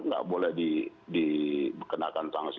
nggak boleh dikenakan sanksi